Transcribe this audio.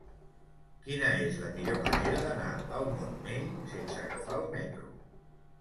Quina és la millor manera d'anar al Montmell sense agafar el metro?